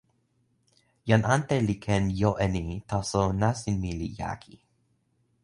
jan ante li ken jo e ni, taso nasin mi li jaki.